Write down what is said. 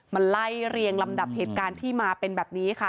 มันไล่เรียงลำดับเหตุการณ์ที่มาเป็นแบบนี้ค่ะ